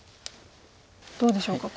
どうでしょうか。